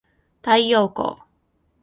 太陽光